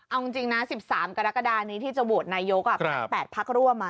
เอาจริงนะ๑๓กรกฎานี้ที่จะโหวตนายก๘พักร่วม